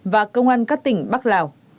và công an các tỉnh bắc lào